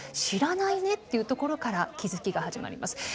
知らないね」っていうところから気付きが始まります。